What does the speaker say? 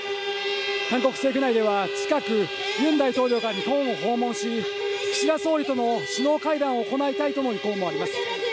韓国政府内では近くユン大統領が日本を訪問し、岸田総理との首脳会談を行いたいとの意向もあります。